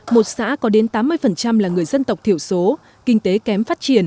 một xã có đến tám mươi trung tâm